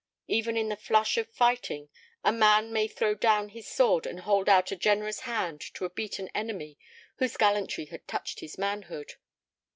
Even in the flush of fighting, a man may throw down his sword and hold out a generous hand to a beaten enemy whose gallantry had touched his manhood.